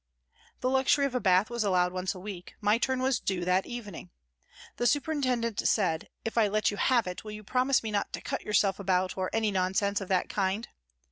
The luxury of a bath was allowed once a week, my turn was due that evening. The superintendent said :" If I let you have it, will you promise me not to cut yourself about or any nonsense of that kind